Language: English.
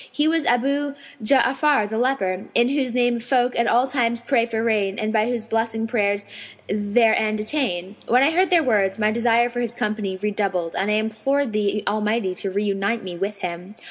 He was Abu Ja'afar the leper, in whose name folk at all times pray for rain and by whose blessing prayers their end attain.' When I heard their words, my desire for his company redoubled and I implored the Almighty to reunite me with him.